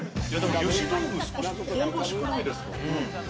ゆし豆腐、ちょっと香ばしくないですか？